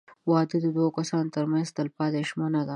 • واده د دوه کسانو تر منځ تلپاتې ژمنه ده.